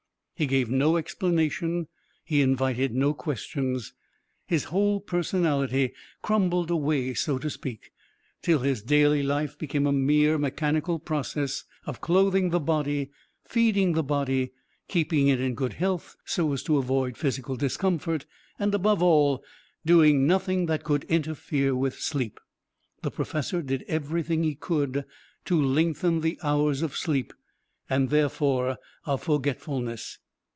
He gave no explanation, he invited no questions. His whole personality crumbled away, so to speak, till his daily life became a mere mechanical process of clothing the body, feeding the body, keeping it in good health so as to avoid physical discomfort, and, above all, doing nothing that could interfere with sleep. The professor did everything he could to lengthen the hours of sleep, and therefore of forgetfulness.